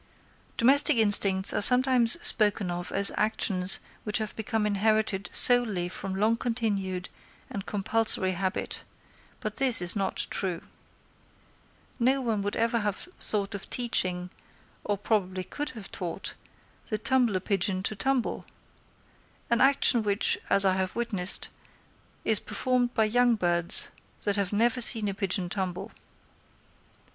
Domestic instincts are sometimes spoken of as actions which have become inherited solely from long continued and compulsory habit, but this is not true. No one would ever have thought of teaching, or probably could have taught, the tumbler pigeon to tumble—an action which, as I have witnessed, is performed by young birds, that have never seen a pigeon tumble.